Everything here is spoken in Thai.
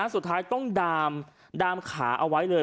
สุดท้ายต้องดามขาเอาไว้เลย